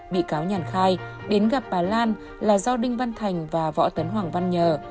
bị cáo nhàn khai đến gặp bà lan là do đinh văn thành và võ tấn hoàng văn nhờ